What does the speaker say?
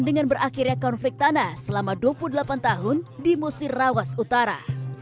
dengan berakhirnya konflik tanah selama dua puluh delapan tahun di musirawas utara